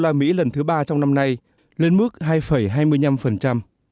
đô la mỹ lần thứ ba trong năm nay lên mức hai hai mươi năm phần trăm